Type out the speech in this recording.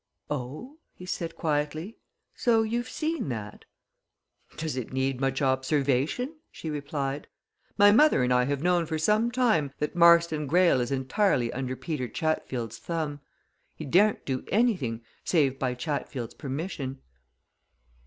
"Oh?" he said quietly, "so you've seen that?" "Does it need much observation?" she replied. "My mother and I have known for some time that Marston Greyle is entirely under Peter Chatfield's thumb. He daren't do anything save by Chatfield's permission."